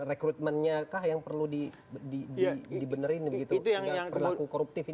rekrutmennya kah yang perlu dibenerin begitu